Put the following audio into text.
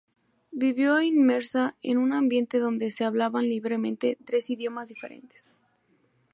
Vivió inmersa en un ambiente donde se hablaban libremente tres idiomas diferentes.